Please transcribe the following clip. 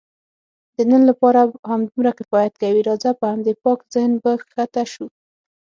د نن لپاره همدومره کفایت کوي، راځه په همدې پاک ذهن به کښته شو.